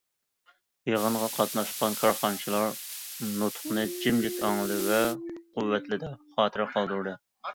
يىغىنغا قاتناشقان كارخانىچىلار نۇتۇقنى جىمجىت ئاڭلىدى ۋە قۇۋۋەتلىدى، خاتىرە قالدۇردى.